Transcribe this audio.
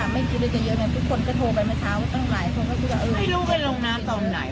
ไม่รู้กันลงน้ำตอนไหน